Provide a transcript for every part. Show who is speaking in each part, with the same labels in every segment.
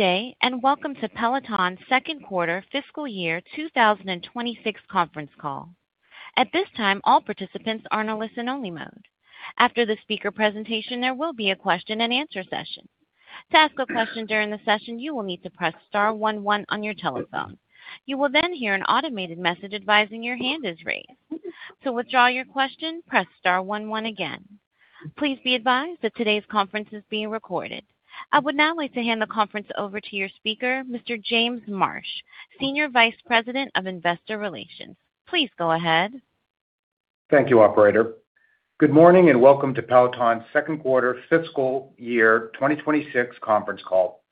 Speaker 1: Good day, and welcome to Peloton's Second Quarter Fiscal Year 2026 Conference Call. At this time, all participants are in a listen-only mode. After the speaker presentation, there will be a question-and-answer session. To ask a question during the session, you will need to press star one, one on your telephone. You will then hear an automated message advising your hand is raised. To withdraw your question, press star one, one again. Please be advised that today's conference is being recorded. I would now like to hand the conference over to your speaker, Mr. James Marsh, SVP of Investor Relations. Please go ahead.
Speaker 2: Thank you, operator. Good morning, and welcome to Peloton's Second Quarter Fiscal Year 2026 Conference Call.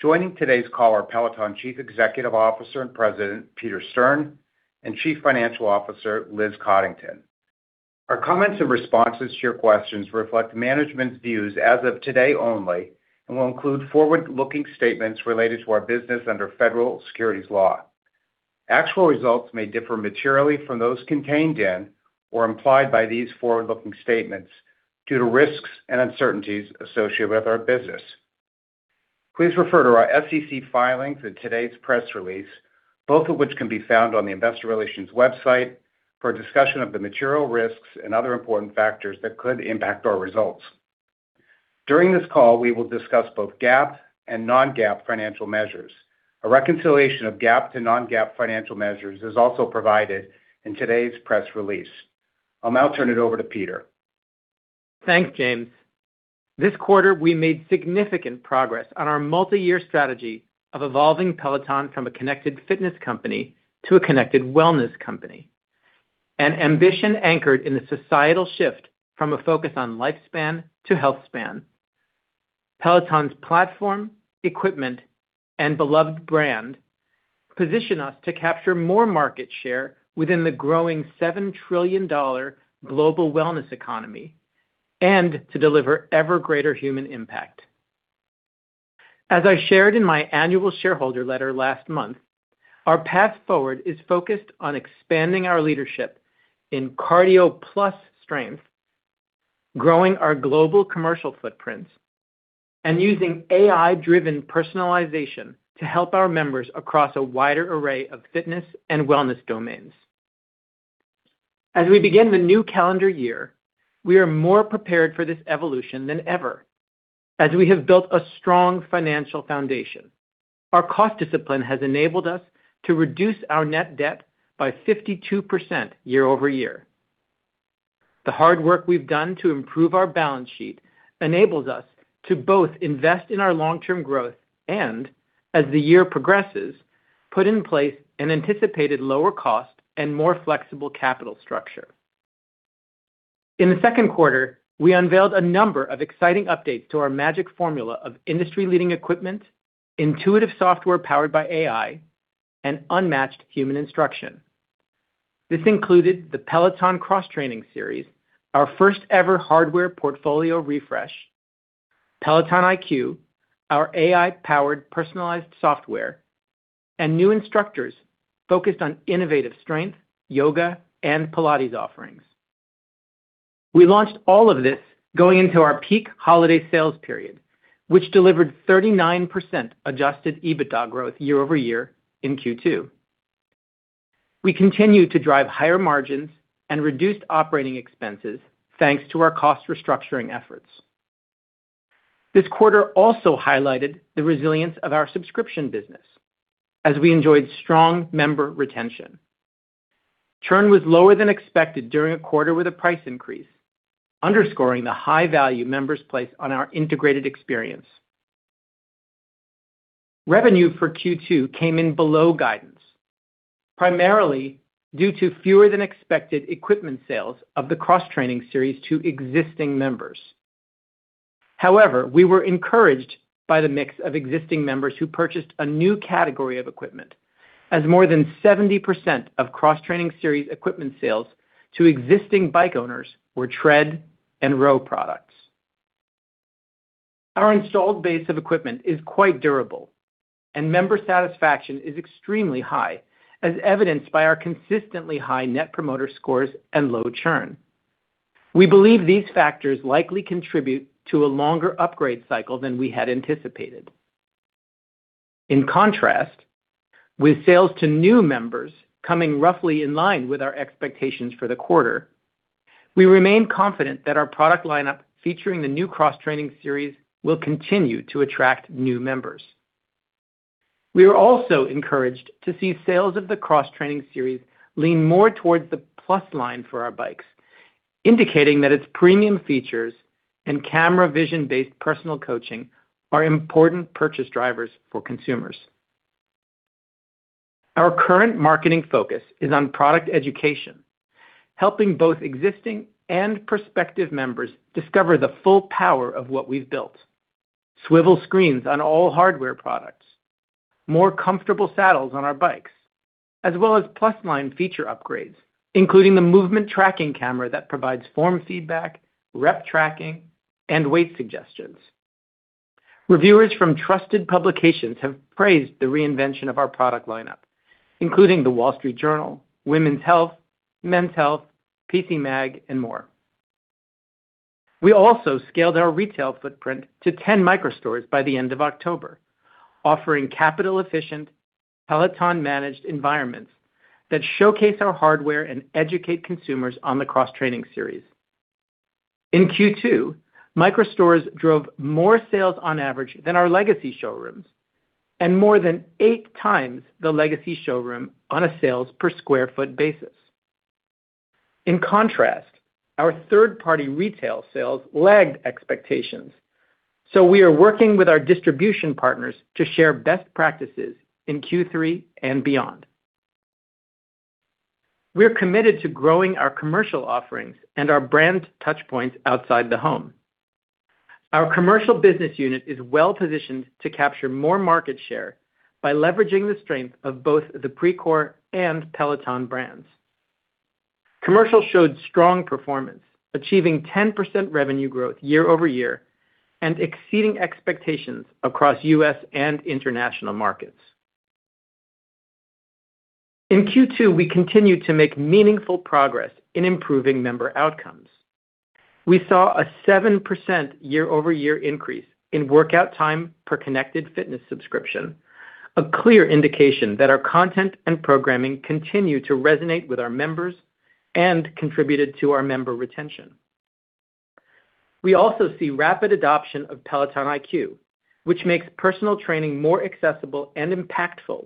Speaker 2: Joining today's call are Peloton CEO and President, Peter Stern, and CFO, Liz Coddington. Our comments and responses to your questions reflect management's views as of today only and will include forward-looking statements related to our business under federal securities law. Actual results may differ materially from those contained in or implied by these forward-looking statements due to risks and uncertainties associated with our business. Please refer to our SEC filings and today's press release, both of which can be found on the Investor Relations website, for a discussion of the material risks and other important factors that could impact our results. During this call, we will discuss both GAAP and non-GAAP financial measures. A reconciliation of GAAP to non-GAAP financial measures is also provided in today's press release. I'll now turn it over to Peter.
Speaker 3: Thanks, James. This quarter, we made significant progress on our multi-year strategy of evolving Peloton from a connected fitness company to a connected wellness company, an ambition anchored in the societal shift from a focus on lifespan to healthspan. Peloton's platform, equipment, and beloved brand position us to capture more market share within the growing $7 trillion global wellness economy and to deliver ever greater human impact. As I shared in my annual shareholder letter last month, our path forward is focused on expanding our leadership in cardio plus strength, growing our global commercial footprints, and using AI-driven personalization to help our members across a wider array of fitness and wellness domains. As we begin the new calendar year, we are more prepared for this evolution than ever, as we have built a strong financial foundation. Our cost discipline has enabled us to reduce our net debt by 52% year-over-year. The hard work we've done to improve our balance sheet enables us to both invest in our long-term growth and, as the year progresses, put in place an anticipated lower cost and more flexible capital structure. In the second quarter, we unveiled a number of exciting updates to our magic formula of industry-leading equipment, intuitive software powered by AI, and unmatched human instruction. This included the Peloton Cross Training Series, our first-ever hardware portfolio refresh, Peloton IQ, our AI-powered personalized software, and new instructors focused on innovative strength, Yoga, and Pilates offerings. We launched all of this going into our peak holiday sales period, which delivered 39% adjusted EBITDA growth year-over-year in Q2. We continued to drive higher margins and reduced operating expenses, thanks to our cost restructuring efforts. This quarter also highlighted the resilience of our Subscription business as we enjoyed strong member retention. Churn was lower than expected during a quarter with a price increase, underscoring the high value members place on our integrated experience. Revenue for Q2 came in below guidance, primarily due to fewer than expected equipment sales of the Cross Training Series to existing members. However, we were encouraged by the mix of existing members who purchased a new category of equipment, as more than 70% of Cross Training Series equipment sales to existing Bike owners were Tread and Row products. Our installed base of equipment is quite durable, and member satisfaction is extremely high, as evidenced by our consistently high Net Promoter Scores and low churn. We believe these factors likely contribute to a longer upgrade cycle than we had anticipated. In contrast, with sales to new members coming roughly in line with our expectations for the quarter, we remain confident that our product lineup, featuring the new Cross Training Series, will continue to attract new members. We are also encouraged to see sales of the Cross Training Series lean more towards the Plus line for our bikes, indicating that its premium features and camera vision-based personal coaching are important purchase drivers for consumers. Our current marketing focus is on product education, helping both existing and prospective members discover the full power of what we've built. Swivel screens on all hardware products, more comfortable saddles on our bikes, as well as Plus line feature upgrades, including the movement tracking camera that provides form feedback, rep tracking, and weight suggestions. Reviewers from trusted publications have praised the reinvention of our product lineup, including The Wall Street Journal, Women's Health, Men's Health, PCMag, and more. We also scaled our retail footprint to 10 Micro-stores by the end of October, offering capital-efficient, Peloton-managed environments that showcase our hardware and educate consumers on the Cross Training series. In Q2, MicroStores drove more sales on average than our legacy showrooms, and more than eight times the legacy showroom on a sales per sq ft basis. In contrast, our third-party retail sales lagged expectations, so we are working with our distribution partners to share best practices in Q3 and beyond. We're committed to growing our commercial offerings and our brand touchpoints outside the home. Our Commercial business unit is well-positioned to capture more market share by leveraging the strength of both the Precor and Peloton brands. Commercial showed strong performance, achieving 10% revenue growth year-over-year and exceeding expectations across U.S. and International markets. In Q2, we continued to make meaningful progress in improving member outcomes. We saw a 7% year-over-year increase in workout time per connected fitness subscription, a clear indication that our content and programming continue to resonate with our members and contributed to our member retention. We also see rapid adoption of Peloton IQ, which makes personal training more accessible and impactful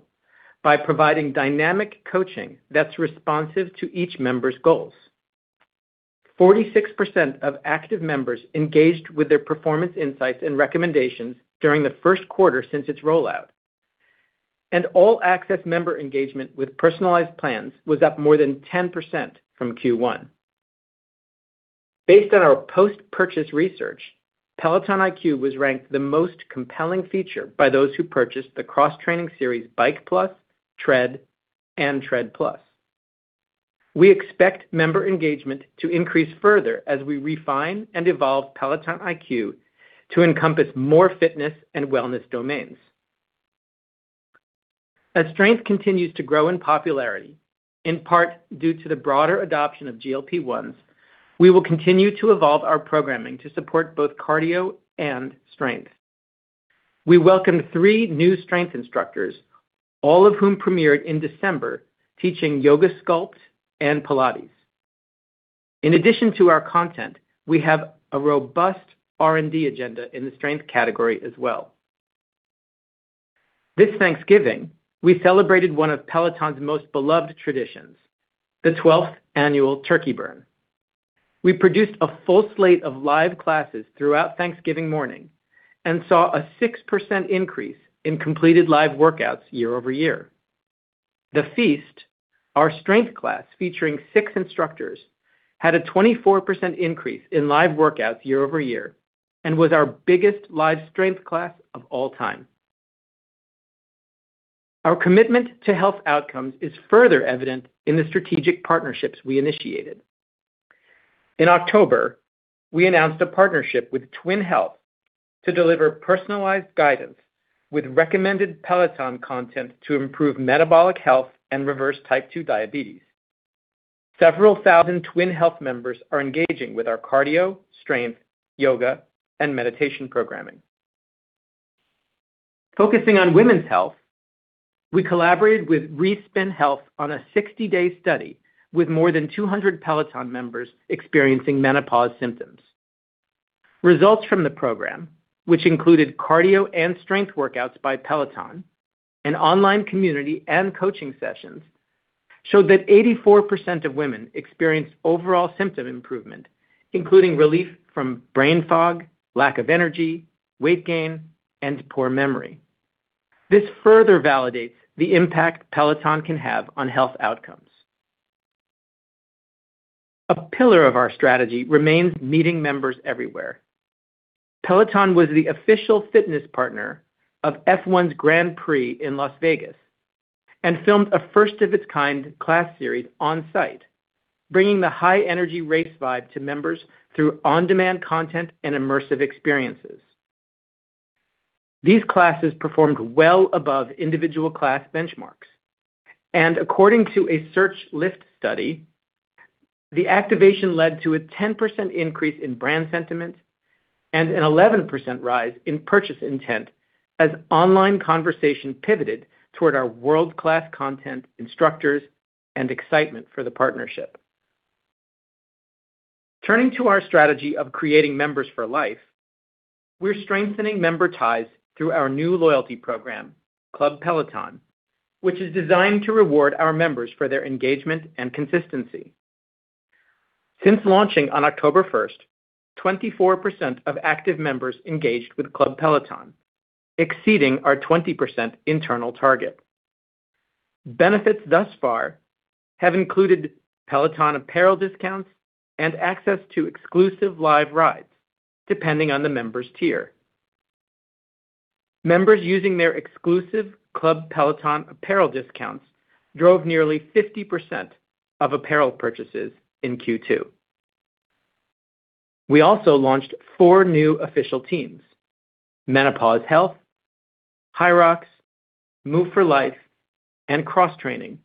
Speaker 3: by providing dynamic coaching that's responsive to each member's goals. 46% of active members engaged with their performance insights and recommendations during the first quarter since its rollout. All-Access member engagement with personalized plans was up more than 10% from Q1. Based on our post-purchase research, Peloton IQ was ranked the most compelling feature by those who purchased the Cross Training Series Bike+, Tread, and Tread+. We expect member engagement to increase further as we refine and evolve Peloton IQ to encompass more fitness and wellness domains. As strength continues to grow in popularity, in part due to the broader adoption of GLP-1s, we will continue to evolve our programming to support both cardio and strength. We welcomed three new strength instructors, all of whom premiered in December, teaching yoga sculpt and Pilates. In addition to our content, we have a robust R&D agenda in the strength category as well. This Thanksgiving, we celebrated one of Peloton's most beloved traditions, the 12th annual Turkey Burn. We produced a full slate of live classes throughout Thanksgiving morning and saw a 6% increase in completed live workouts year-over-year. The Feast, our strength class, featuring six instructors, had a 24% increase in live workouts year-over-year and was our biggest live strength class of all time. Our commitment to health outcomes is further evident in the strategic partnerships we initiated. In October, we announced a partnership with Twin Health to deliver personalized guidance with recommended Peloton content to improve metabolic health and reverse type two diabetes. Several thousand Twin Health members are engaging with our cardio, strength, yoga, and meditation programming. Focusing on women's health, we collaborated with Respin Health on a 60-day study, with more than 200 Peloton members experiencing menopause symptoms. Results from the program, which included cardio and strength workouts by Peloton, an online community, and coaching sessions, showed that 84% of women experienced overall symptom improvement, including relief from brain fog, lack of energy, weight gain, and poor memory. This further validates the impact Peloton can have on health outcomes. A pillar of our strategy remains meeting members everywhere. Peloton was the official fitness partner of F1's Grand Prix in Las Vegas and filmed a first-of-its-kind class series on-site, bringing the high-energy race vibe to members through on-demand content and immersive experiences. These classes performed well above individual class benchmarks, and according to a search lift study, the activation led to a 10% increase in brand sentiment and an 11% rise in purchase intent as online conversation pivoted toward our world-class content, instructors, and excitement for the partnership. Turning to our strategy of creating members for life, we're strengthening member ties through our new loyalty program, Club Peloton, which is designed to reward our members for their engagement and consistency. Since launching on October 1st, 24% of active members engaged with Club Peloton, exceeding our 20% internal target. Benefits thus far have included Peloton apparel discounts and access to exclusive live rides, depending on the member's tier. Members using their exclusive Club Peloton apparel discounts drove nearly 50% of apparel purchases in Q2. We also launched four new official teams: Menopause Health, HYROX, Move for Life, and Cross Training,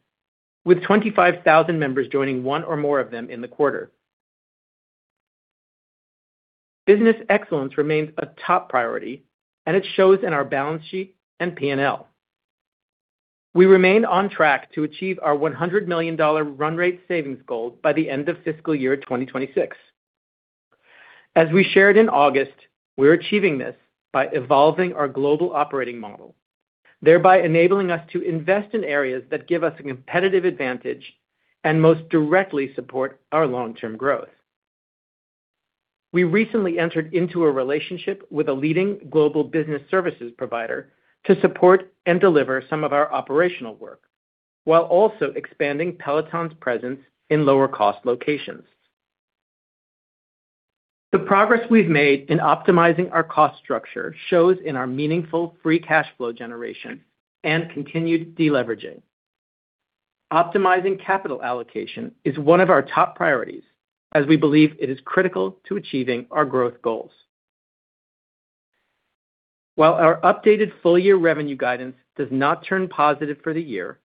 Speaker 3: with 25,000 members joining one or more of them in the quarter. Business excellence remains a top priority, and it shows in our balance sheet and P&L. We remain on track to achieve our $100 million run rate savings goal by the end of Fiscal Year 2026. As we shared in August, we're achieving this by evolving our global operating model, thereby enabling us to invest in areas that give us a competitive advantage and most directly support our long-term growth. We recently entered into a relationship with a leading global business services provider to support and deliver some of our operational work, while also expanding Peloton's presence in lower-cost locations. The progress we've made in optimizing our cost structure shows in our meaningful free cash flow generation and continued deleveraging. Optimizing capital allocation is one of our top priorities, as we believe it is critical to achieving our growth goals. While our updated full-year revenue guidance does not turn positive for the year,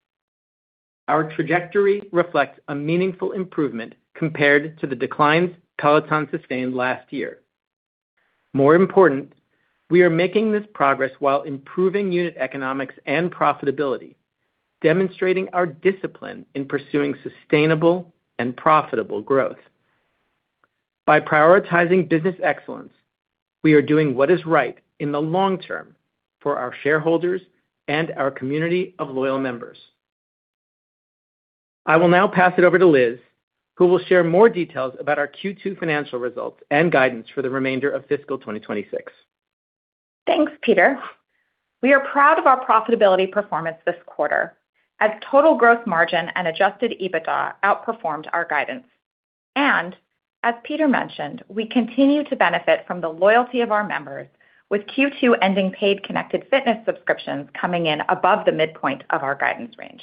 Speaker 3: our trajectory reflects a meaningful improvement compared to the declines Peloton sustained last year. More important, we are making this progress while improving unit economics and profitability, demonstrating our discipline in pursuing sustainable and profitable growth. By prioritizing business excellence, we are doing what is right in the long term for our shareholders and our community of loyal members. I will now pass it over to Liz, who will share more details about our Q2 financial results and guidance for the remainder of fiscal 2026.
Speaker 4: Thanks, Peter. We are proud of our profitability performance this quarter, as total gross margin and adjusted EBITDA outperformed our guidance. As Peter mentioned, we continue to benefit from the loyalty of our members, with Q2 ending paid Connected Fitness subscriptions coming in above the midpoint of our guidance range.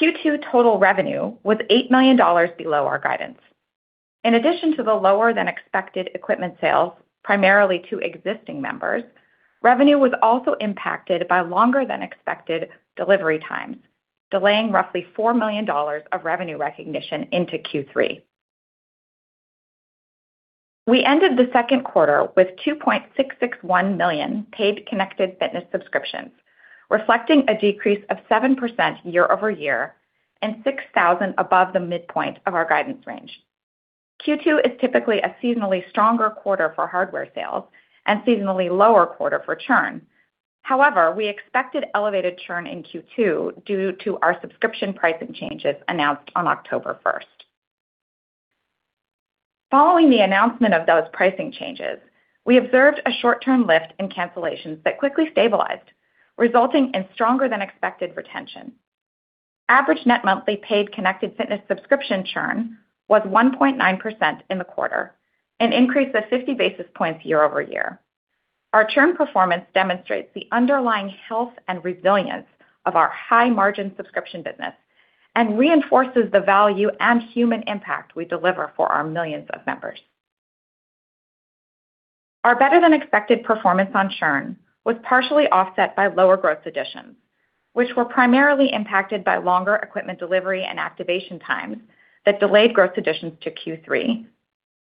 Speaker 4: Q2 total revenue was $8 million below our guidance. In addition to the lower-than-expected equipment sales, primarily to existing members, revenue was also impacted by longer-than-expected delivery times, delaying roughly $4 million of revenue recognition into Q3. We ended the second quarter with 2.661 million paid Connected Fitness subscriptions, reflecting a decrease of 7% year-over-year and 6,000 above the midpoint of our guidance range. Q2 is typically a seasonally stronger quarter for hardware sales and seasonally lower quarter for churn. However, we expected elevated churn in Q2 due to our subscription pricing changes announced on October 1st. Following the announcement of those pricing changes, we observed a short-term lift in cancellations that quickly stabilized, resulting in stronger-than-expected retention. Average net monthly paid Connected Fitness subscription churn was 1.9% in the quarter, an increase of 50 basis points year-over-year. Our churn performance demonstrates the underlying health and resilience of our high-margin subscription business and reinforces the value and human impact we deliver for our millions of members. Our better-than-expected performance on churn was partially offset by lower gross additions, which were primarily impacted by longer equipment delivery and activation times that delayed gross additions to Q3,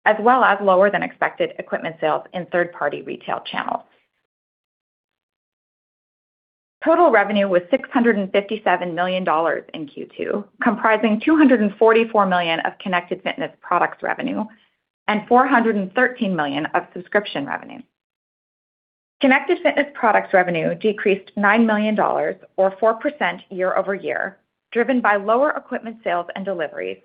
Speaker 4: as well as lower-than-expected equipment sales in third-party retail channels. Total revenue was $657 million in Q2, comprising $244 million of Connected Fitness products revenue and $413 million of subscription revenue. Connected Fitness products revenue decreased $9 million or 4% year-over-year, driven by lower equipment sales and deliveries,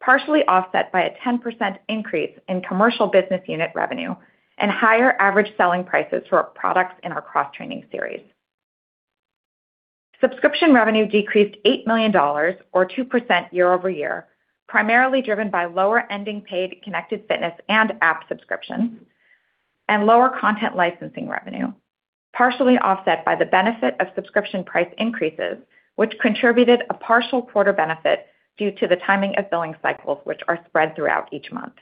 Speaker 4: partially offset by a 10% increase in commercial business unit revenue and higher average selling prices for products in our Cross Training Series. Subscription revenue decreased $8 million or 2% year-over-year, primarily driven by lower ending paid Connected Fitness and app subscriptions and lower content licensing revenue, partially offset by the benefit of subscription price increases, which contributed a partial quarter benefit due to the timing of billing cycles, which are spread throughout each month.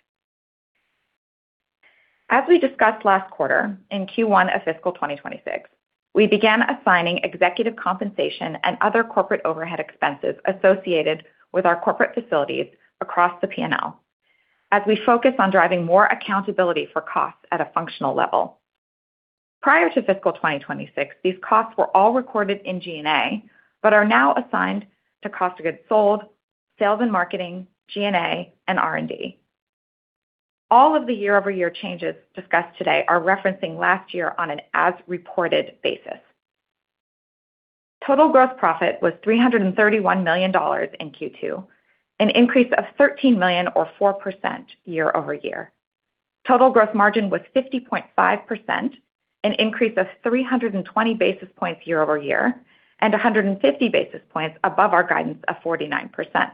Speaker 4: As we discussed last quarter, in Q1 of fiscal 2026, we began assigning executive compensation and other corporate overhead expenses associated with our corporate facilities across the P&L as we focus on driving more accountability for costs at a functional level. Prior to fiscal 2026, these costs were all recorded in G&A, but are now assigned to cost of goods sold, sales and marketing, G&A, and R&D. All of the year-over-year changes discussed today are referencing last year on an as-reported basis. Total gross profit was $331 million in Q2, an increase of $13 million or 4% year-over-year. Total gross margin was 50.5%, an increase of 320 basis points year-over-year, and 150 basis points above our guidance of 49%.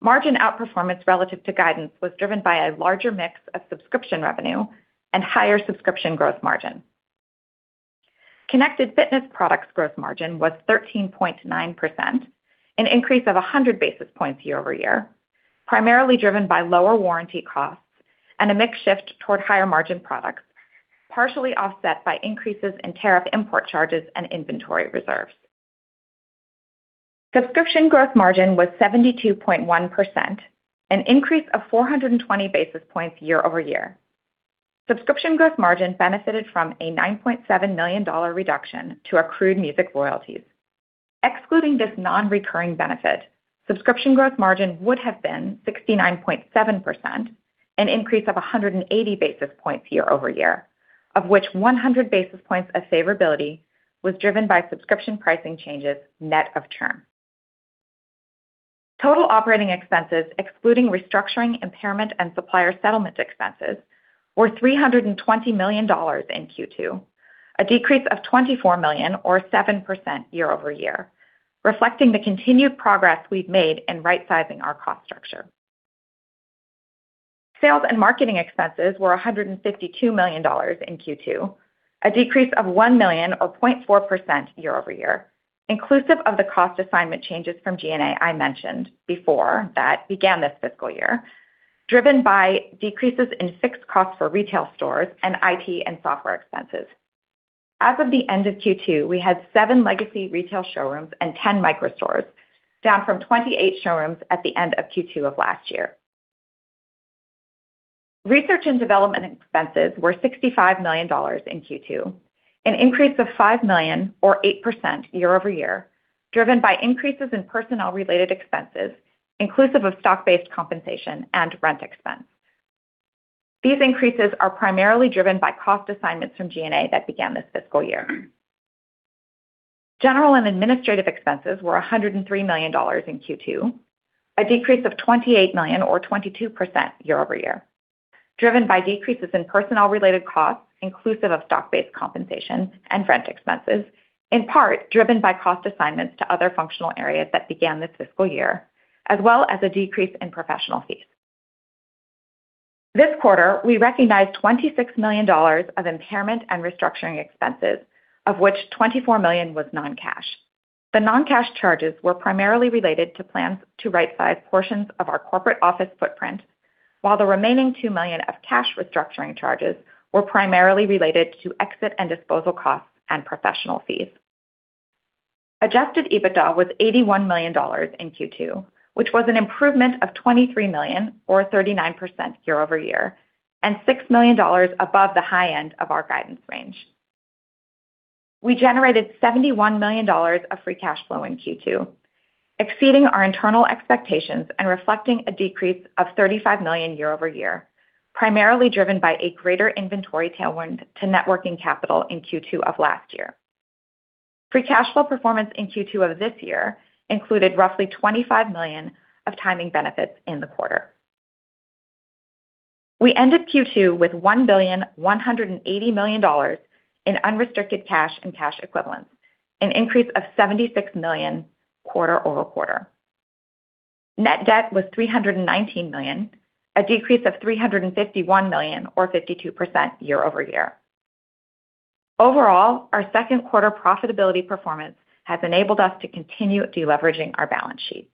Speaker 4: Margin outperformance relative to guidance was driven by a larger mix of subscription revenue and higher subscription gross margin. Connected Fitness products gross margin was 13.9%, an increase of 100 basis points year-over-year, primarily driven by lower warranty costs, and a mix shift toward higher-margin products, partially offset by increases in tariff import charges and inventory reserves. Subscription gross margin was 72.1%, an increase of 420 basis points year-over-year. Subscription gross margin benefited from a $9.7 million reduction to our accrued music royalties. Excluding this nonrecurring benefit, subscription gross margin would have been 69.7%, an increase of 180 basis points year-over-year, of which 100 basis points of favorability was driven by subscription pricing changes net of churn. Total operating expenses, excluding restructuring, impairment, and supplier settlement expenses, were $320 million in Q2, a decrease of $24 million or 7% year-over-year, reflecting the continued progress we've made in right-sizing our cost structure. Sales and marketing expenses were $152 million in Q2, a decrease of $1 million or 0.4% year-over-year, inclusive of the cost assignment changes from G&A I mentioned before that began this fiscal year, driven by decreases in fixed costs for retail stores and IT and software expenses. As of the end of Q2, we had seven legacy retail showrooms and 10 micro stores, down from 28 showrooms at the end of Q2 of last year. Research and development expenses were $65 million in Q2, an increase of $5 million or 8% year-over-year, driven by increases in personnel-related expenses, inclusive of stock-based compensation and rent expense. These increases are primarily driven by cost assignments from G&A that began this fiscal year. General and administrative expenses were $103 million in Q2, a decrease of $28 million or 22% year-over-year, driven by decreases in personnel-related costs, inclusive of stock-based compensation and rent expenses, in part driven by cost assignments to other functional areas that began this fiscal year, as well as a decrease in professional fees. This quarter, we recognized $26 million of impairment and restructuring expenses, of which $24 million was non-cash. The non-cash charges were primarily related to plans to rightsize portions of our corporate office footprint, while the remaining $2 million of cash restructuring charges were primarily related to exit and disposal costs and professional fees. Adjusted EBITDA was $81 million in Q2, which was an improvement of $23 million or 39% year-over-year, and $6 million above the high end of our guidance range. We generated $71 million of free cash flow in Q2, exceeding our internal expectations and reflecting a decrease of $35 million year-over-year, primarily driven by a greater inventory tailwind to net working capital in Q2 of last year. Free cash flow performance in Q2 of this year included roughly $25 million of timing benefits in the quarter. We ended Q2 with $1,180,000 in unrestricted cash and cash equivalents, an increase of $76 million quarter-over-quarter. Net debt was $319 million, a decrease of $351 million or 52% year-over-year. Overall, our second quarter profitability performance has enabled us to continue deleveraging our balance sheet.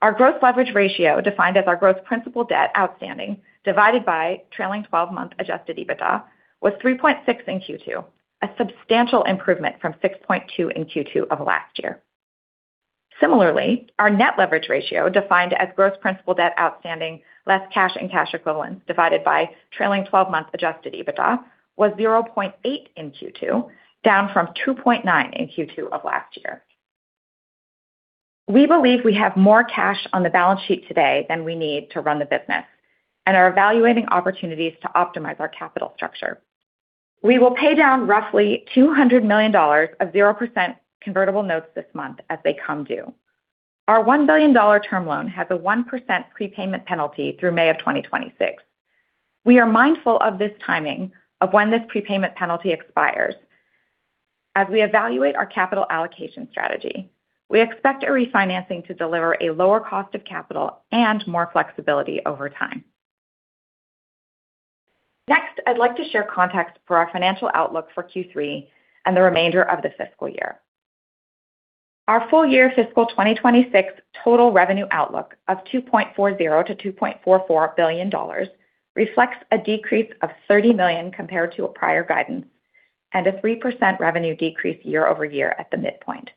Speaker 4: Our gross leverage ratio, defined as our gross principal debt outstanding, divided by trailing 12-month adjusted EBITDA, was 3.6 in Q2, a substantial improvement from 6.2 in Q2 of last year. Similarly, our net leverage ratio, defined as gross principal debt outstanding, less cash and cash equivalents divided by trailing twelve-month adjusted EBITDA, was 0.8 in Q2, down from 2.9 in Q2 of last year. We believe we have more cash on the balance sheet today than we need to run the business and are evaluating opportunities to optimize our capital structure. We will pay down roughly $200 million of zero percent convertible notes this month as they come due. Our $1 billion term loan has a 1% prepayment penalty through May 2026. We are mindful of this timing of when this prepayment penalty expires. As we evaluate our capital allocation strategy, we expect a refinancing to deliver a lower cost of capital and more flexibility over time. Next, I'd like to share context for our financial outlook for Q3 and the remainder of the fiscal year. Our full-year fiscal 2026 total revenue outlook of $2.40 billion-$2.44 billion reflects a decrease of $30 million compared to a prior guidance and a 3% revenue decrease year-over-year at the midpoint.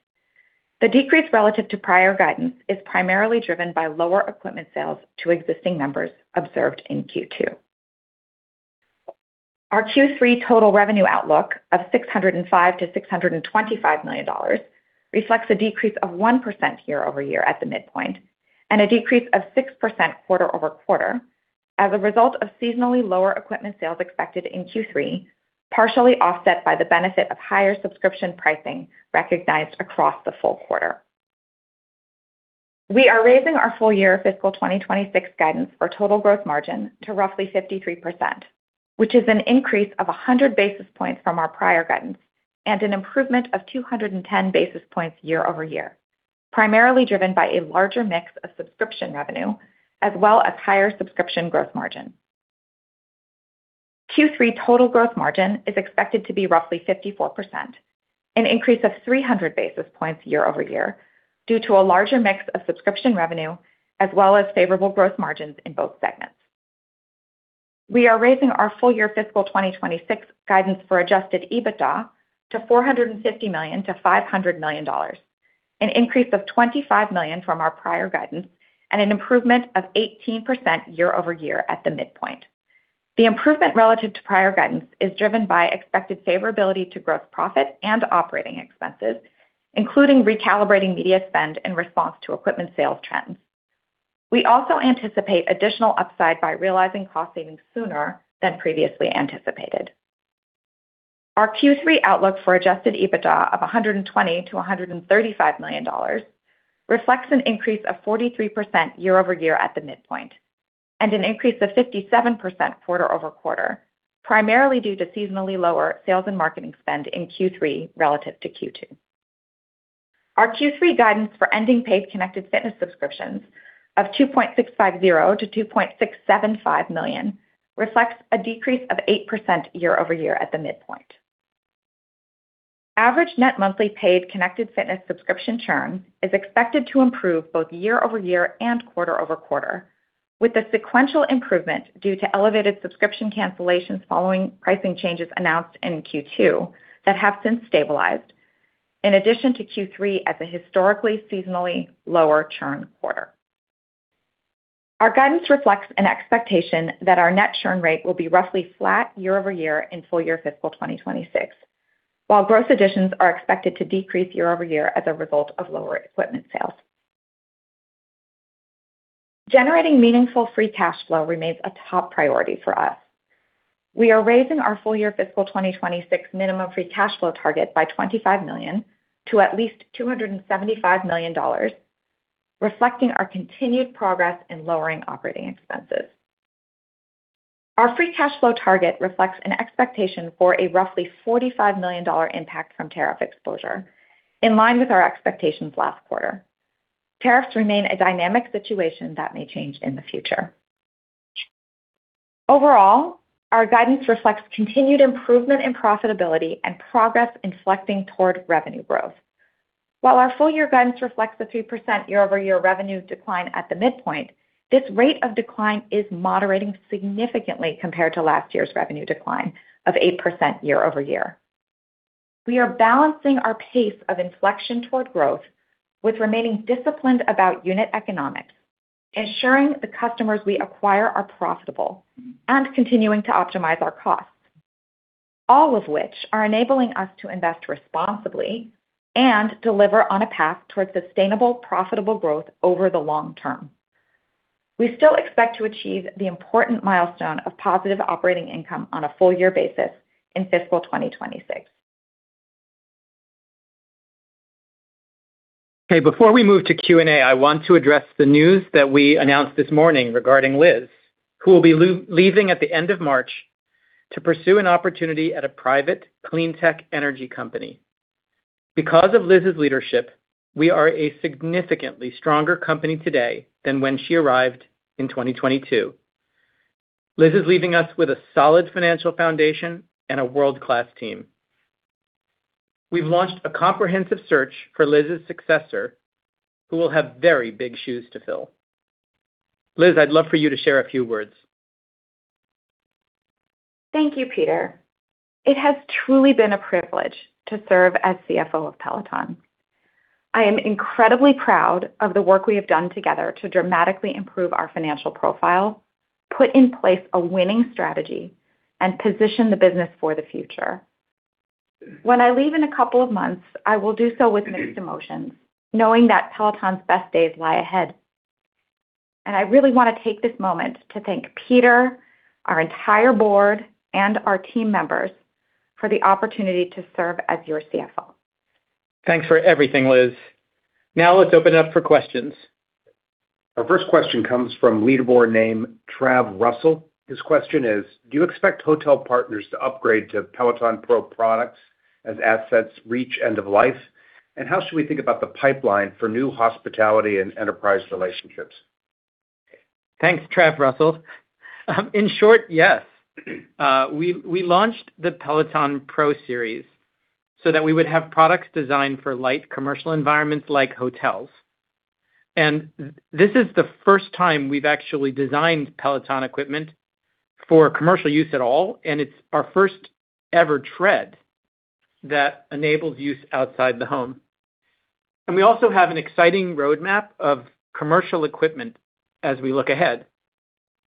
Speaker 4: The decrease relative to prior guidance is primarily driven by lower equipment sales to existing members observed in Q2. Our Q3 total revenue outlook of $605 million-$625 million reflects a decrease of 1% year-over-year at the midpoint, and a decrease of 6% quarter-over-quarter as a result of seasonally lower equipment sales expected in Q3, partially offset by the benefit of higher subscription pricing recognized across the full quarter. We are raising our full-year fiscal 2026 guidance for total gross margin to roughly 53%, which is an increase of 100 basis points from our prior guidance and an improvement of 210 basis points year-over-year, primarily driven by a larger mix of subscription revenue, as well as higher subscription gross margin. Q3 total gross margin is expected to be roughly 54%, an increase of 300 basis points year-over-year, due to a larger mix of subscription revenue, as well as favorable gross margins in both segments. We are raising our full-year fiscal 2026 guidance for adjusted EBITDA to $450 million-$500 million, an increase of $25 million from our prior guidance and an improvement of 18% year-over-year at the midpoint. The improvement relative to prior guidance is driven by expected favorability to gross profit, and operating expenses, including recalibrating media spend in response to equipment sales trends. We also anticipate additional upside by realizing cost savings sooner than previously anticipated. Our Q3 outlook for adjusted EBITDA of $120 million-$135 million reflects an increase of 43% year-over-year at the midpoint, and an increase of 57% quarter-over-quarter, primarily due to seasonally lower sales and marketing spend in Q3 relative to Q2. Our Q3 guidance for ending paid connected fitness subscriptions of 2.650 million-2.675 million reflects a decrease of 8% year-over-year at the midpoint. Average net monthly paid Connected Fitness subscription churn is expected to improve both year-over-year and quarter-over-quarter, with the sequential improvement due to elevated subscription cancellations following pricing changes announced in Q2 that have since stabilized, in addition to Q3 as a historically seasonally lower churn quarter. Our guidance reflects an expectation that our net churn rate will be roughly flat year-over-year in full year fiscal 2026, while gross additions are expected to decrease year-over-year as a result of lower equipment sales. Generating meaningful free cash flow remains a top priority for us. We are raising our full year fiscal 2026 minimum free cash flow target by $25 million to at least $275 million, reflecting our continued progress in lowering operating expenses. Our free cash flow target reflects an expectation for a roughly $45 million impact from tariff exposure, in line with our expectations last quarter. Tariffs remain a dynamic situation that may change in the future. Overall, our guidance reflects continued improvement in profitability and progress inflection toward revenue growth. While our full-year guidance reflects a 3% year-over-year revenue decline at the midpoint, this rate of decline is moderating significantly compared to last year's revenue decline of 8% year-over-year. We are balancing our pace of inflection toward growth with remaining disciplined about unit economics, ensuring the customers we acquire are profitable and continuing to optimize our costs. All of which are enabling us to invest responsibly and deliver on a path towards sustainable, profitable growth over the long term. We still expect to achieve the important milestone of positive operating income on a full year basis in fiscal 2026.
Speaker 3: Okay, before we move to Q&A, I want to address the news that we announced this morning regarding Liz, who will be leaving at the end of March to pursue an opportunity at a private clean tech energy company. Because of Liz's leadership, we are a significantly stronger company today than when she arrived in 2022. Liz is leaving us with a solid financial foundation and a world-class team. We've launched a comprehensive search for Liz's successor, who will have very big shoes to fill. Liz, I'd love for you to share a few words.
Speaker 4: Thank you, Peter. It has truly been a privilege to serve as CFO of Peloton. I am incredibly proud of the work we have done together to dramatically improve our financial profile, put in place a winning strategy, and position the business for the future. When I leave in a couple of months, I will do so with mixed emotions, knowing that Peloton's best days lie ahead. I really want to take this moment to thank Peter, our entire board, and our team members for the opportunity to serve as your CFO.
Speaker 3: Thanks for everything, Liz. Now let's open it up for questions.
Speaker 2: Our first question comes from Leaderboard name, Trav Russell. His question is: Do you expect hotel partners to upgrade to Peloton Pro products as assets reach end of life? And how should we think about the pipeline for new hospitality and enterprise relationships?
Speaker 3: Thanks, Trav Russell. In short, yes. We launched the Peloton Pro Series so that we would have products designed for light commercial environments like hotels and this is the first time we've actually designed Peloton equipment for commercial use at all, and it's our first ever tread that enables use outside the home. We also have an exciting roadmap of commercial equipment as we look ahead,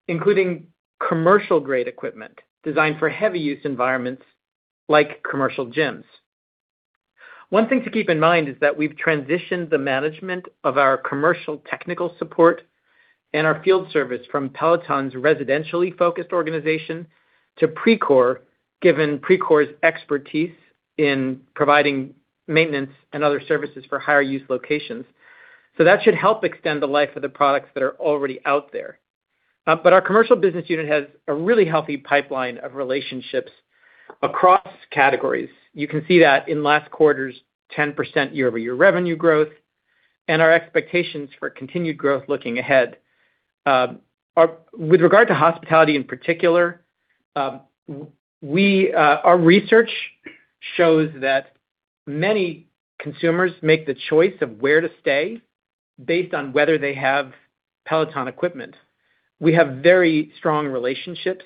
Speaker 3: including commercial grade equipment designed for heavy use environments like commercial gyms. One thing to keep in mind is that we've transitioned the management of our commercial technical support and our field service from Peloton's residentially focused organization to Precor, given Precor's expertise in providing maintenance and other services for higher use locations. So that should help extend the life of the products that are already out there. But our Commercial business unit has a really healthy pipeline of relationships across categories. You can see that in last quarter's 10% year-over-year revenue growth and our expectations for continued growth looking ahead. With regard to hospitality in particular, our research shows that many consumers make the choice of where to stay based on whether they have Peloton equipment. We have very strong relationships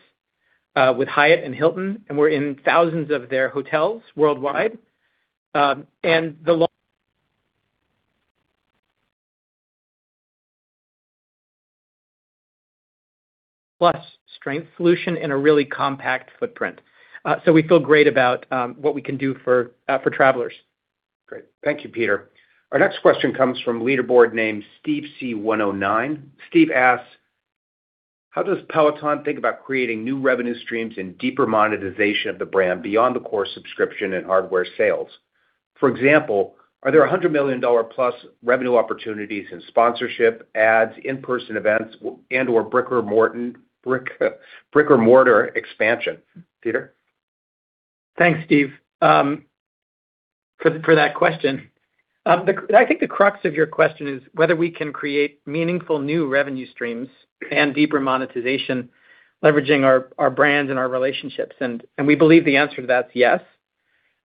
Speaker 3: with Hyatt and Hilton, and we're in thousands of their hotels worldwide. The plus strength solution in a really compact footprint. So we feel great about what we can do for travelers.
Speaker 2: Great. Thank you, Peter. Our next question comes from Leaderboard named Steve C 109. Steve asks: How does Peloton think about creating new revenue streams and deeper monetization of the brand beyond the core subscription and hardware sales? For example, are there $100 million+ revenue opportunities in sponsorship, ads, in-person events, and/or brick-and-mortar expansion? Peter?
Speaker 3: Thanks, Steve, for that question. I think the crux of your question is whether we can create meaningful new revenue streams and deeper monetization, leveraging our brands and our relationships. We believe the answer to that is yes.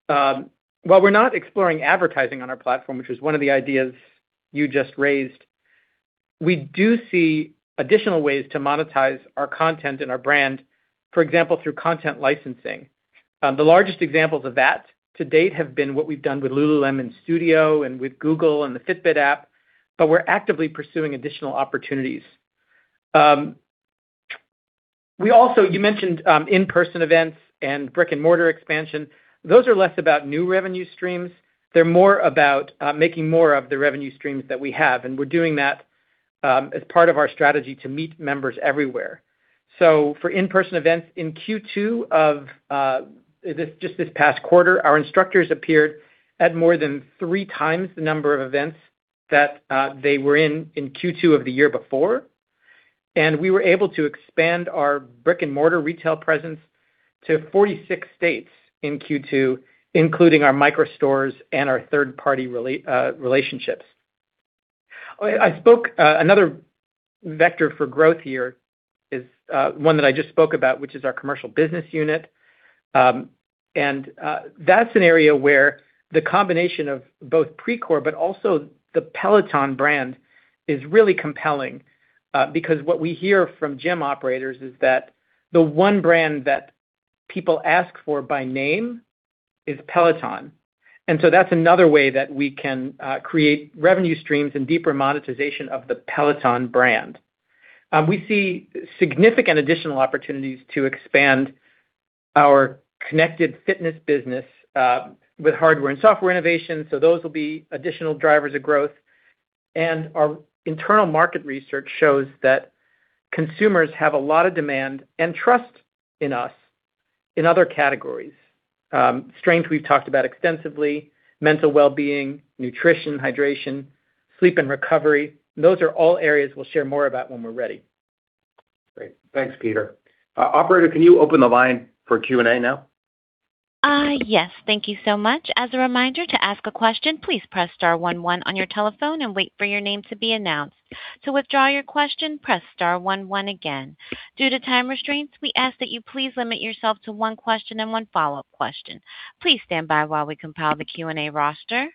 Speaker 3: While we're not exploring advertising on our platform, which is one of the ideas you just raised, we do see additional ways to monetize our content and our brand, for example, through content licensing. The largest examples of that, to date, have been what we've done with lululemon Studio and with Google and the Fitbit app, but we're actively pursuing additional opportunities. We also, you mentioned, in-person events and brick-and-mortar expansion. Those are less about new revenue streams. They're more about making more of the revenue streams that we have, and we're doing that as part of our strategy to meet members everywhere. So for in-person events, in Q2 of this, just this past quarter, our instructors appeared at more than three times the number of events that they were in, in Q2 of the year before. We were able to expand our brick-and-mortar retail presence to 46 states in Q2, including our micro stores and our third-party relationships. Oh, I spoke. Another vector for growth here is one that I just spoke about, which is our commercial business unit. That's an area where the combination of both Precor, but also the Peloton brand, is really compelling, because what we hear from gym operators is that the one brand that people ask for by name is Peloton. So that's another way that we can create revenue streams and deeper monetization of the Peloton brand. We see significant additional opportunities to expand our Connected Fitness business with hardware and software innovation, so those will be additional drivers of growth and our internal market research shows that consumers have a lot of demand and trust in us in other categories. Strength, we've talked about extensively, mental well-being, nutrition, hydration, sleep and recovery. Those are all areas we'll share more about when we're ready.
Speaker 2: Great. Thanks, Peter. Operator, can you open the line for Q&A now?
Speaker 1: Yes. Thank you so much. As a reminder, to ask a question, please press star one one on your telephone and wait for your name to be announced. To withdraw your question, press star one, one again. Due to time restraints, we ask that you please limit yourself to one question and one follow-up question. Please stand by while we compile the Q&A roster.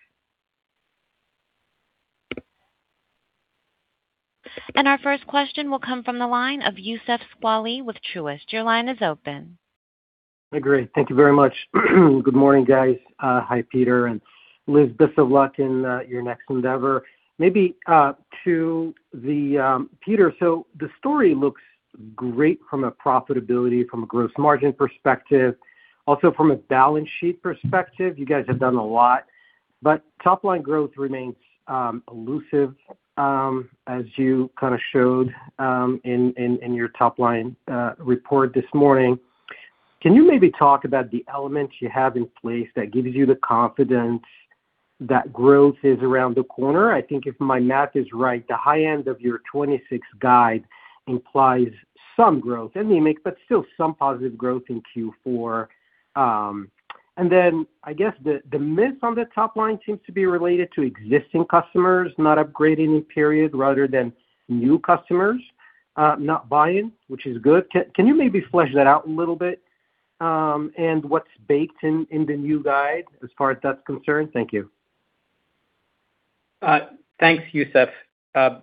Speaker 1: Our first question will come from the line of Youssef Squali with Truist. Your line is open.
Speaker 5: Great. Thank you very much. Good morning, guys. Hi, Peter and Liz. Best of luck in your next endeavor. Maybe to the... Peter, so the story looks great from a profitability, from a gross margin perspective. Also, from a balance sheet perspective, you guys have done a lot, but top line growth remains elusive, as you kind of showed in your top line report this morning. Can you maybe talk about the elements you have in place that gives you the confidence that growth is around the corner? I think if my math is right, the high end of your 2026 guide implies some growth, anemic, but still some positive growth in Q4 and then, I guess, the miss on the top line seems to be related to existing customers, not upgrading in period rather than new customers, not buying, which is good. Can you maybe flesh that out a little bit, and what's baked in, in the new guide as far as that's concerned? Thank you.
Speaker 3: Thanks, Youssef. There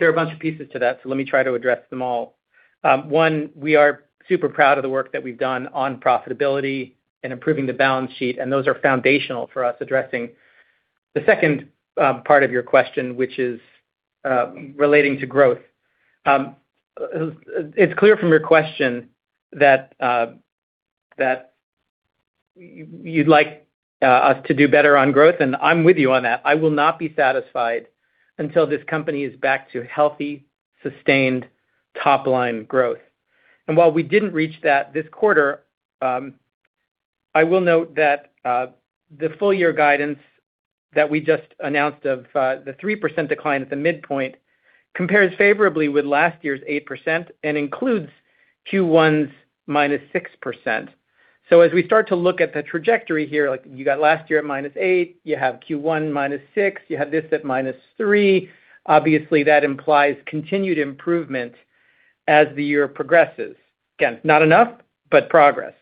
Speaker 3: are a bunch of pieces to that, so let me try to address them all. One, we are super proud of the work that we've done on profitability and improving the balance sheet, and those are foundational for us addressing. The second, part of your question, which is, relating to growth. It's clear from your question that that you'd like us to do better on growth, and I'm with you on that. I will not be satisfied until this company is back to healthy, sustained, top-line growth and while we didn't reach that this quarter, I will note that the full-year guidance that we just announced of the 3% decline at the midpoint compares favorably with last year's 8% and includes Q1's -6%. So as we start to look at the trajectory here, like you got last year at -8%, you have Q1 -6%, you have this at -3%. Obviously, that implies continued improvement as the year progresses. Again, not enough, but progress.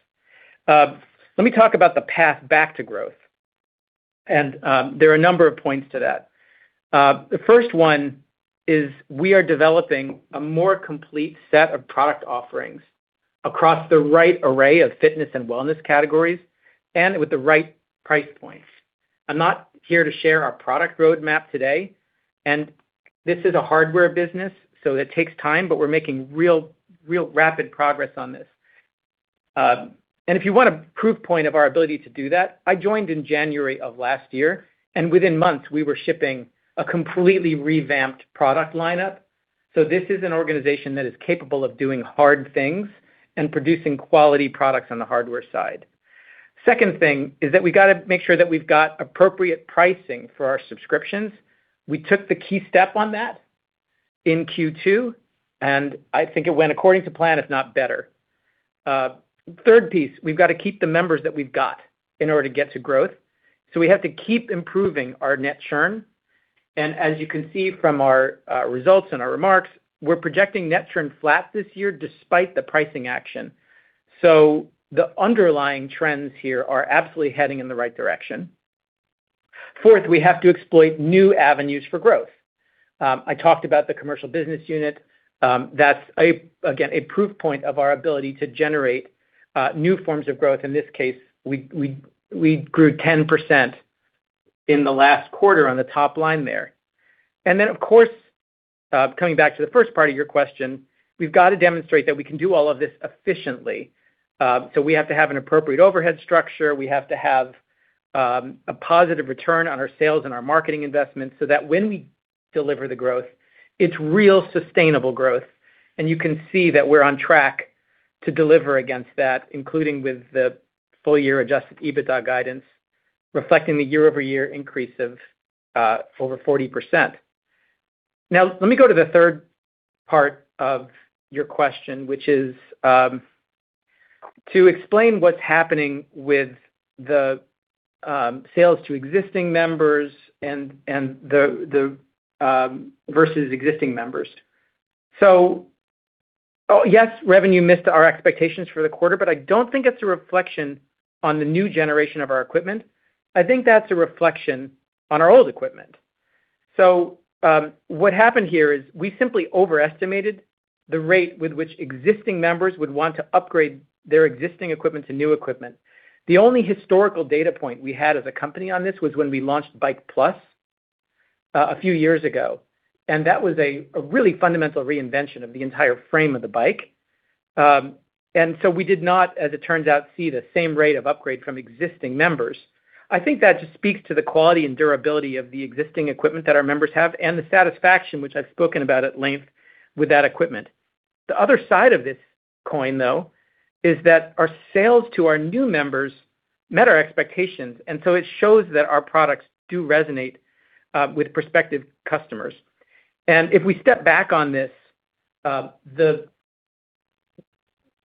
Speaker 3: Let me talk about the path back to growth, and there are a number of points to that. The first one is we are developing a more complete set of product offerings across the right array of fitness and wellness categories and with the right price points. I'm not here to share our product roadmap today, and this is a hardware business, so it takes time, but we're making real, real rapid progress on this. And if you want a proof point of our ability to do that, I joined in January of last year, and within months, we were shipping a completely revamped product lineup. So this is an organization that is capable of doing hard things and producing quality products on the hardware side. Second thing is that we got to make sure that we've got appropriate pricing for our subscriptions. We took the key step on that in Q2, and I think it went according to plan, if not better. Third piece, we've got to keep the members that we've got in order to get to growth, so we have to keep improving our net churn and as you can see from our results and our remarks, we're projecting net churn flat this year despite the pricing action. So the underlying trends here are absolutely heading in the right direction. Fourth, we have to exploit new avenues for growth. I talked about the commercial business unit. That's again a proof point of our ability to generate new forms of growth. In this case, we grew 10% in the last quarter on the top line there and then, of course, coming back to the first part of your question, we've got to demonstrate that we can do all of this efficiently. So we have to have an appropriate overhead structure. We have to have a positive return on our sales and our marketing investments, so that when we deliver the growth, it's real sustainable growth. You can see that we're on track to deliver against that, including with the full-year adjusted EBITDA guidance, reflecting the year-over-year increase of over 40%. Now, let me go to the third part of your question, which is to explain what's happening with the sales to existing members and the versus existing members. Oh, yes, revenue missed our expectations for the quarter, but I don't think it's a reflection on the new generation of our equipment. I think that's a reflection on our old equipment. What happened here is we simply overestimated the rate with which existing members would want to upgrade their existing equipment to new equipment. The only historical data point we had as a company on this was when we launched Bike+, a few years ago, and that was a really fundamental reinvention of the entire frame of the bike. So we did not, as it turns out, see the same rate of upgrade from existing members. I think that just speaks to the quality and durability of the existing equipment that our members have and the satisfaction, which I've spoken about at length, with that equipment. The other side of this coin, though, is that our sales to our new members met our expectations, and so it shows that our products do resonate with prospective customers. If we step back on this, the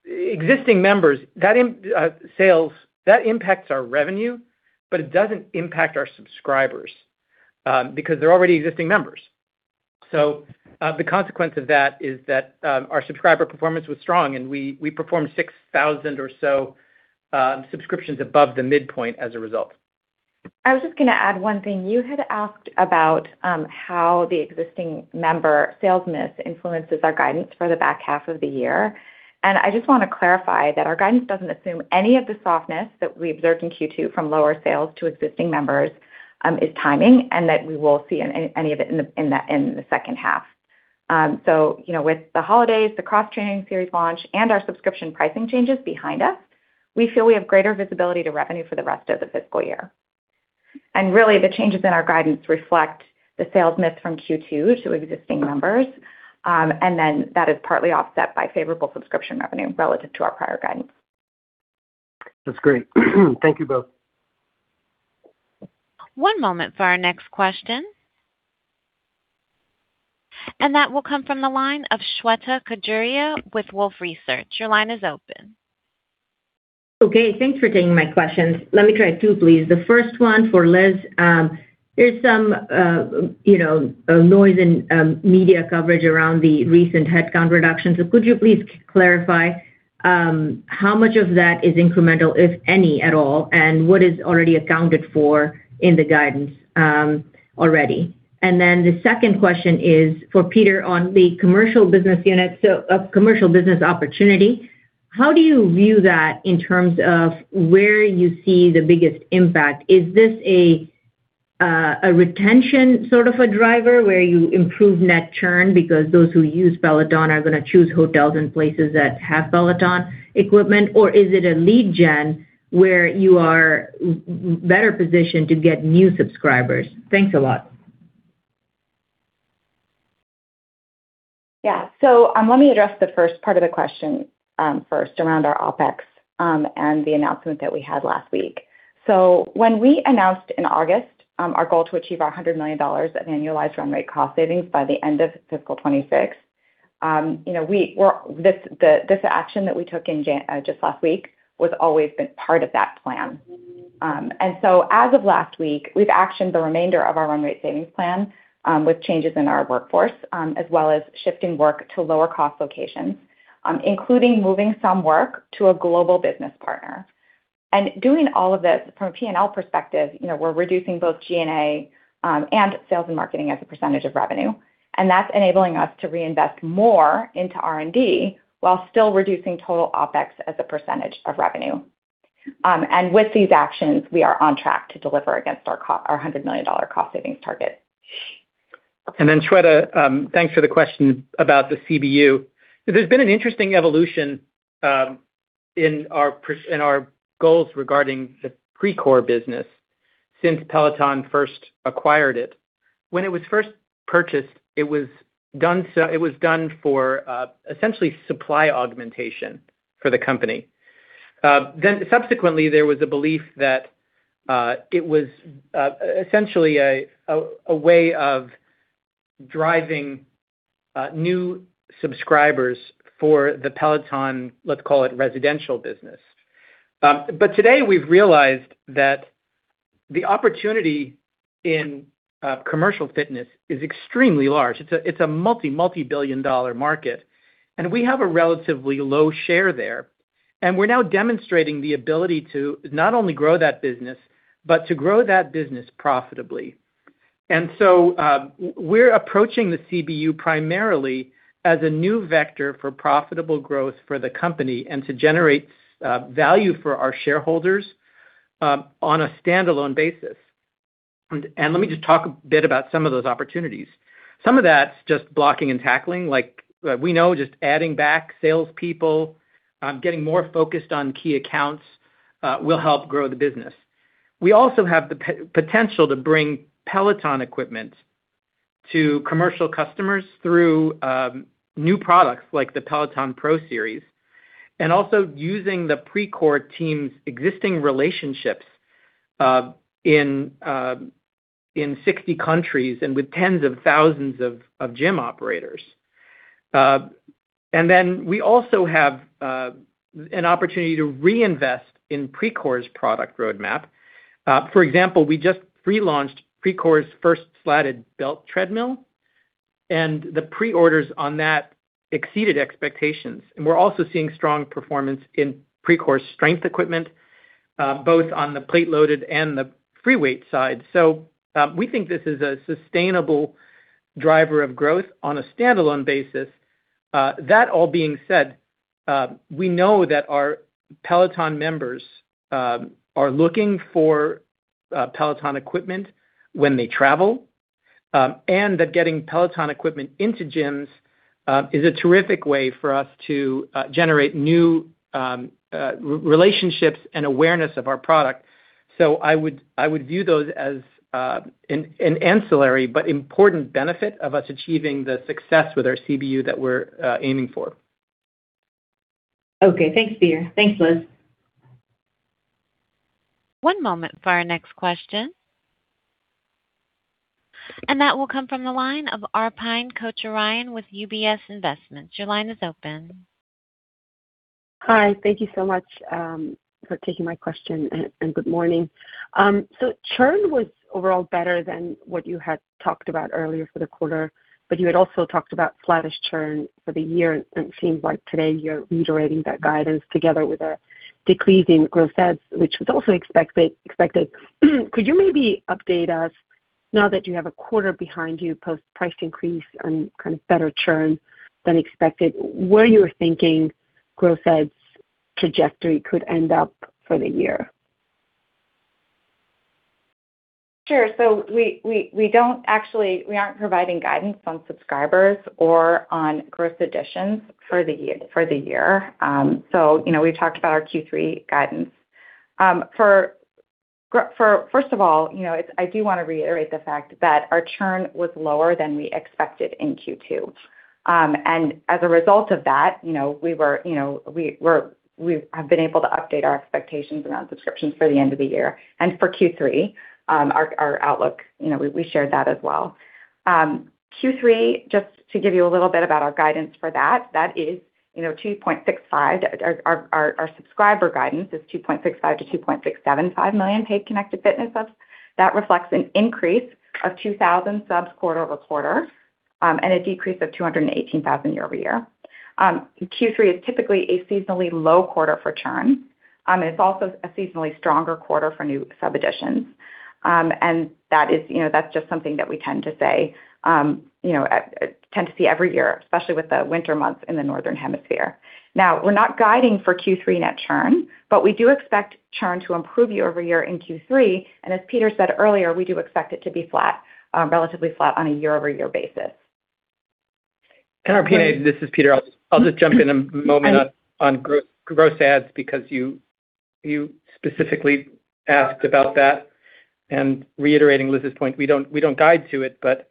Speaker 3: existing members, that sales, that impacts our revenue, but it doesn't impact our subscribers, because they're already existing members. So, the consequence of that is that, our subscriber performance was strong, and we performed 6,000 or so subscriptions above the midpoint as a result.
Speaker 4: I was just gonna add one thing. You had asked about how the existing member sales miss influences our guidance for the back half of the year, and I just want to clarify that our guidance doesn't assume any of the softness that we observed in Q2 from lower sales to existing members is timing, and that we will see any of it in the second half. So, you know, with the holidays, the Cross Training Series launch, and our subscription pricing changes behind us, we feel we have greater visibility to revenue for the rest of the fiscal year. Really, the changes in our guidance reflect the sales mix from Q2 to existing members, and then that is partly offset by favorable subscription revenue relative to our prior guidance.
Speaker 5: That's great. Thank you both.
Speaker 1: One moment for our next question. That will come from the line of Shweta Khajuria with Wolfe Research. Your line is open.
Speaker 6: Okay, thanks for taking my questions. Let me try two, please. The first one for Liz. There's some, you know, noise and media coverage around the recent headcount reductions. So could you please clarify how much of that is incremental, if any, at all, and what is already accounted for in the guidance already? And then the second question is for Peter on the Commercial business unit. So a Commercial business opportunity, how do you view that in terms of where you see the biggest impact? Is this a retention sort of a driver, where you improve net churn because those who use Peloton are gonna choose hotels and places that have Peloton equipment? Or is it a lead gen, where you are better positioned to get new subscribers? Thanks a lot.
Speaker 4: Yeah. So, let me address the first part of the question, first around our OpEx, and the announcement that we had last week. So when we announced in August, our goal to achieve $100 million at annualized run rate cost savings by the end of fiscal 2026. You know, this action that we took in January, just last week, was always been part of that plan and so as of last week, we've actioned the remainder of our run rate savings plan, with changes in our workforce, as well as shifting work to lower cost locations, including moving some work to a global business partner. Doing all of this from a P&L perspective, you know, we're reducing both G&A and sales and marketing as a percentage of revenue, and that's enabling us to reinvest more into R&D, while still reducing total OpEx as a percentage of revenue. With these actions, we are on track to deliver against our $100 million cost savings target.
Speaker 3: Then, Shweta, thanks for the question about the CBU. There's been an interesting evolution in our goals regarding the Precor business since Peloton first acquired it. When it was first purchased, it was done for essentially supply augmentation for the company. Then subsequently, there was a belief that it was essentially a way of driving new subscribers for the Peloton, let's call it Residential business. But today, we've realized that the opportunity in commercial fitness is extremely large. It's a multi-billion dollar market, and we have a relatively low share there and we're now demonstrating the ability to not only grow that business, but to grow that business profitably. So, we're approaching the CBU primarily as a new vector for profitable growth for the company and to generate value for our shareholders on a standalone basis. Let me just talk a bit about some of those opportunities. Some of that's just blocking and tackling, like we know, just adding back salespeople, getting more focused on key accounts, will help grow the business. We also have the potential to bring Peloton equipment to commercial customers through new products like the Peloton Pro Series, and also using the Precor team's existing relationships in 60 countries and with tens of thousands of gym operators. Then we also have an opportunity to reinvest in Precor's product roadmap. For example, we just relaunched Precor's first slatted belt treadmill, and the pre-orders on that exceeded expectations. We're also seeing strong performance in Precor's strength equipment, both on the plate loaded and the free weight side. So, we think this is a sustainable driver of growth on a standalone basis. That all being said, we know that our Peloton members are looking for Peloton equipment when they travel, and that getting Peloton equipment into gyms is a terrific way for us to generate new relationships and awareness of our product. So I would view those as an ancillary but important benefit of us achieving the success with our CBU that we're aiming for.
Speaker 6: Okay, thanks, Peter. Thanks, Liz.
Speaker 1: One moment for our next question. That will come from the line of Arpine Kocharyan with UBS Investments. Your line is open.
Speaker 7: Hi, thank you so much for taking my question, and good morning. So churn was overall better than what you had talked about earlier for the quarter, but you had also talked about flattish churn for the year, and it seems like today you're reiterating that guidance together with a decrease in growth sets, which was also expected. Could you maybe update us now that you have a quarter behind you, post-price increase and kind of better churn than expected, where you're thinking growth sets trajectory could end up for the year?
Speaker 4: Sure. So we don't actually, we aren't providing guidance on subscribers or on gross additions for the year. You know, we've talked about our Q3 guidance. First of all, you know, it's, I do wanna reiterate the fact that our churn was lower than we expected in Q2 and as a result of that, you know, we have been able to update our expectations around subscriptions for the end of the year and for Q3, our outlook, you know, we shared that as well. Q3, just to give you a little bit about our guidance for that, that is, you know, 2.65. Our subscriber guidance is 2.65-2.675 million paid Connected Fitness subs. That reflects an increase of 2,000 subs quarter-over-quarter, and a decrease of 218,000 year-over-year. Q3 is typically a seasonally low quarter for churn, and it's also a seasonally stronger quarter for new sub additions and that is, you know, that's just something that we tend to say, you know, tend to see every year, especially with the winter months in the northern hemisphere. Now, we're not guiding for Q3 net churn, but we do expect churn to improve year-over-year in Q3 and as Peter said earlier, we do expect it to be flat, relatively flat on a year-over-year basis.
Speaker 3: Arpine, this is Peter. I'll just jump in a moment on gross adds, because you specifically asked about that. Reiterating Liz's point, we don't guide to it, but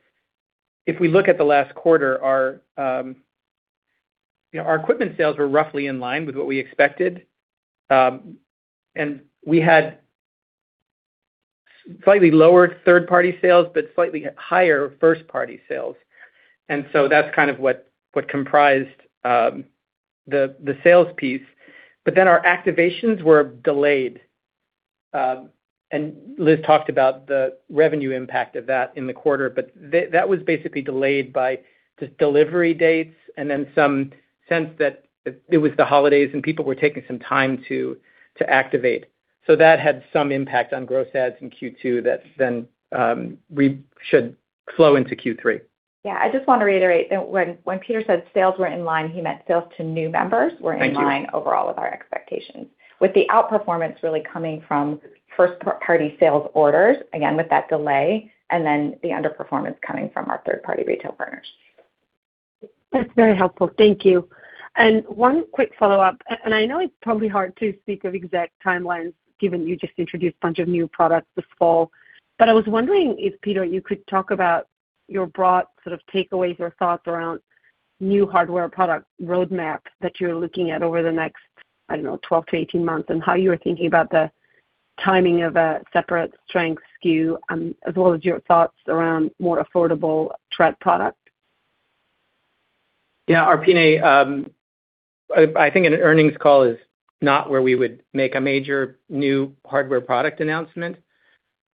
Speaker 3: if we look at the last quarter, our, you know, our equipment sales were roughly in line with what we expected and we had slightly lower third-party sales, but slightly higher first-party sales. So that's kind of what comprised the sales piece. But then our activations were delayed and Liz talked about the revenue impact of that in the quarter, but that was basically delayed by the delivery dates and then some sense that it was the holidays, and people were taking some time to activate. So that had some impact on gross adds in Q2 that then we should flow into Q3.
Speaker 4: Yeah, I just wanna reiterate that when Peter said sales were in line, he meant sales to new members-
Speaker 3: Thank you.
Speaker 4: We're in line overall with our expectations, with the outperformance really coming from first-party sales orders, again, with that delay, and then the underperformance coming from our third-party retail partners.
Speaker 7: That's very helpful. Thank you. One quick follow-up, and I know it's probably hard to speak of exact timelines, given you just introduced a bunch of new products this fall. I was wondering if, Peter, you could talk about your broad sort of takeaways or thoughts around new hardware product roadmap that you're looking at over the next, I don't know, 12-18 months, and how you are thinking about the timing of a separate strength SKU, as well as your thoughts around more affordable tread product.
Speaker 3: Yeah, Arpine, I think an earnings call is not where we would make a major new hardware product announcement.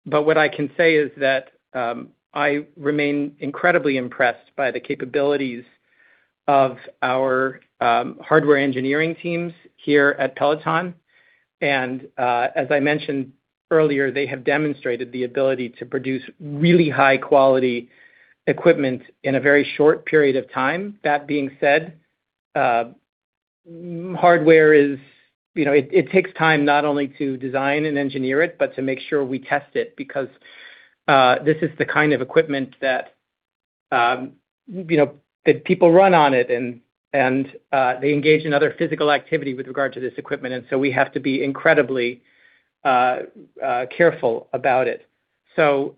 Speaker 3: But what I can say is that I remain incredibly impressed by the capabilities of our hardware engineering teams here at Peloton and as I mentioned earlier, they have demonstrated the ability to produce really high-quality equipment in a very short period of time. That being said, hardware is... You know, it takes time not only to design and engineer it, but to make sure we test it, because this is the kind of equipment that, you know, that people run on it, and they engage in other physical activity with regard to this equipment, and so we have to be incredibly careful about it. So,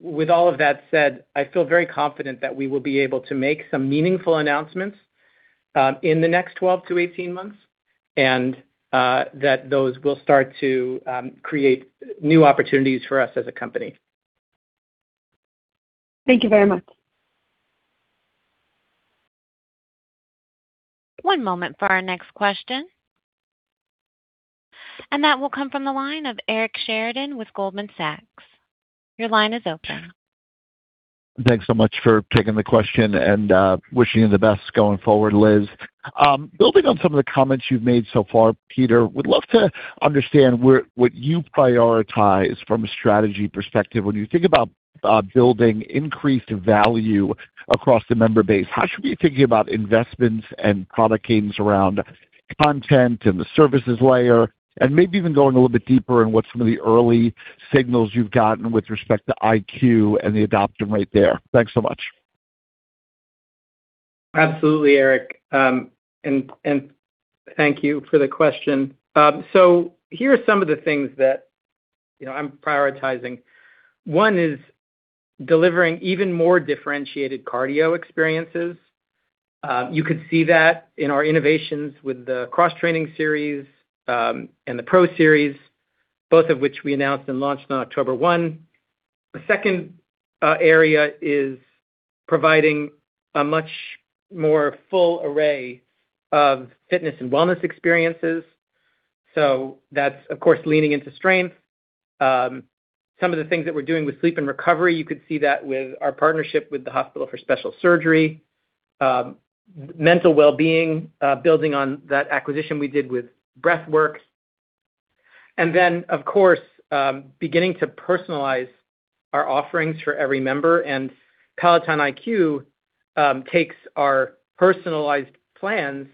Speaker 3: with all of that said, I feel very confident that we will be able to make some meaningful announcements in the next 12-18 months, and that those will start to create new opportunities for us as a company.
Speaker 7: Thank you very much.
Speaker 1: One moment for our next question. That will come from the line of Eric Sheridan with Goldman Sachs. Your line is open.
Speaker 8: Thanks so much for taking the question, and wishing you the best going forward, Liz. Building on some of the comments you've made so far, Peter, would love to understand where—what you prioritize from a strategy perspective. When you think about building increased value across the member base, how should we be thinking about investments and product cadence around content and the services layer, and maybe even going a little bit deeper in what some of the early signals you've gotten with respect to IQ and the adoption rate there? Thanks so much.
Speaker 3: Absolutely, Eric, and thank you for the question. So here are some of the things that, you know, I'm prioritizing. One is delivering even more differentiated cardio experiences. You could see that in our innovations with the Cross Training Series, and the Pro Series, both of which we announced and launched on October 1. The second area is providing a much more full array of fitness and wellness experiences, so that's, of course, leaning into strength. Some of the things that we're doing with sleep and recovery, you could see that with our partnership with the Hospital for Special Surgery. Mental wellbeing, building on that acquisition we did with Breathwork and then, of course, beginning to personalize our offerings for every member, and Peloton IQ takes our personalized plans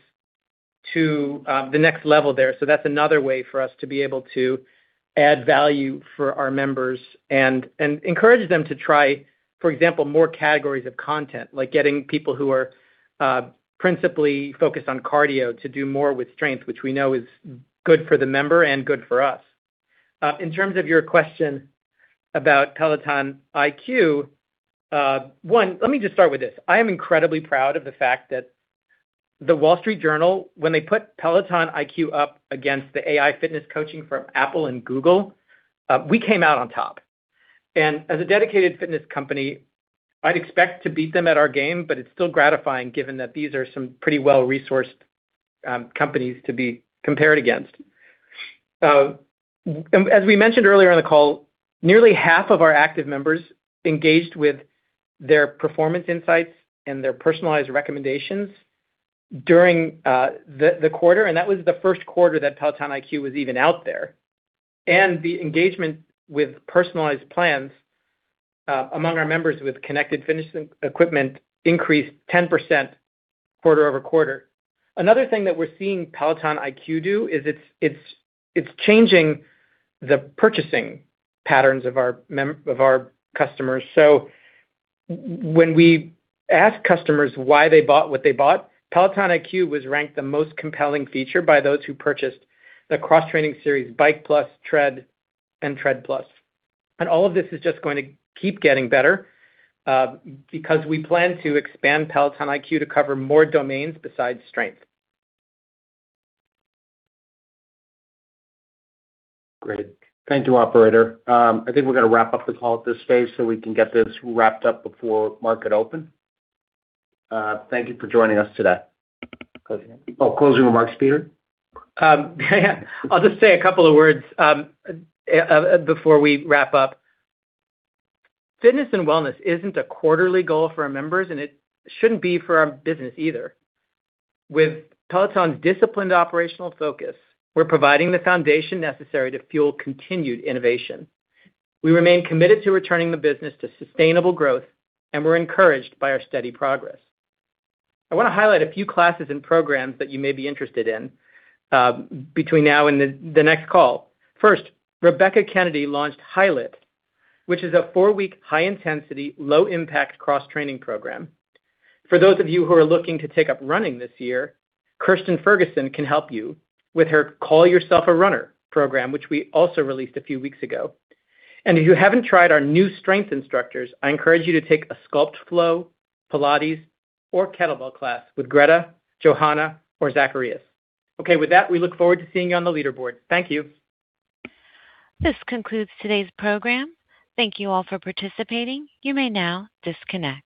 Speaker 3: to the next level there. So that's another way for us to be able to add value for our members and encourage them to try, for example, more categories of content, like getting people who are principally focused on cardio, to do more with strength, which we know is good for the member and good for us. In terms of your question about Peloton IQ, one, let me just start with this: I am incredibly proud of the fact that The Wall Street Journal, when they put Peloton IQ up against the AI fitness coaching from Apple and Google, we came out on top and as a dedicated fitness company, I'd expect to beat them at our game, but it's still gratifying, given that these are some pretty well-resourced companies to be compared against. As we mentioned earlier in the call, nearly half of our active members engaged with their performance insights and their personalized recommendations during the quarter, and that was the first quarter that Peloton IQ was even out there. The engagement with personalized plans among our members with connected fitness equipment increased 10% quarter-over-quarter. Another thing that we're seeing Peloton IQ do is it's changing the purchasing patterns of our customers. So when we ask customers why they bought what they bought, Peloton IQ was ranked the most compelling feature by those who purchased the Cross Training Series, Bike+, Tread and Tread+. All of this is just going to keep getting better because we plan to expand Peloton IQ to cover more domains besides strength.
Speaker 2: Great. Thank you, operator. I think we're gonna wrap up the call at this stage so we can get this wrapped up before market open. Thank you for joining us today. Oh, closing remarks, Peter?
Speaker 3: Yeah. I'll just say a couple of words before we wrap up. Fitness and wellness isn't a quarterly goal for our members, and it shouldn't be for our business either. With Peloton's disciplined operational focus, we're providing the foundation necessary to fuel continued innovation. We remain committed to returning the business to sustainable growth, and we're encouraged by our steady progress. I wanna highlight a few classes and programs that you may be interested in between now and the next call. First, Rebecca Kennedy launched HILIT, which is a four-week, high-intensity, low-impact cross-training program. For those of you who are looking to take up running this year, Kirsten Ferguson can help you with her Call Yourself a Runner program, which we also released a few weeks ago. If you haven't tried our new strength instructors, I encourage you to take a Sculpt Flow, Pilates, or Kettlebell class with Greta, Johanna, or Zacharias. Okay, with that, we look forward to seeing you on the leaderboard. Thank you.
Speaker 1: This concludes today's program. Thank you all for participating. You may now disconnect.